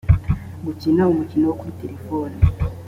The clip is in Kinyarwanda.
gukina umukino wo kuri telefoni